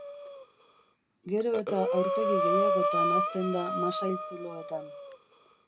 Gero eta aurpegi gehiagotan hazten da masail-zuloetan.